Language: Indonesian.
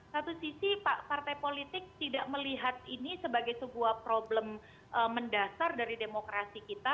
satu sisi pak partai politik tidak melihat ini sebagai sebuah problem mendasar dari demokrasi kita